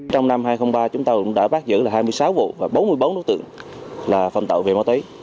trong năm hai nghìn ba chúng tôi đã bác giữ hai mươi sáu vụ và bốn mươi bốn đối tượng phạm tạo về ma túy